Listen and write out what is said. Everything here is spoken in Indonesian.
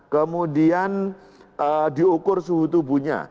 kemudian diukur suhu tubuhnya